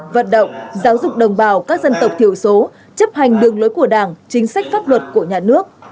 vận động giáo dục đồng bào các dân tộc thiểu số chấp hành đường lối của đảng chính sách pháp luật của nhà nước